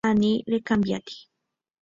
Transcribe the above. Ani recambiáti.